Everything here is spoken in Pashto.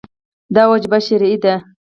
دا وجیبه شرعي ده.